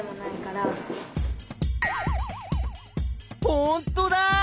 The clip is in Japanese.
ほんとだ！